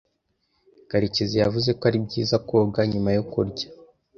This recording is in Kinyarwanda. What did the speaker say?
Karekezi yavuze ko ari byiza koga nyuma yo kurya.